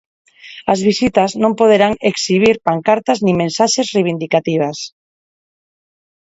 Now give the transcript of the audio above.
As visitas non poderán exhibir pancartas nin mensaxes reivindicativas.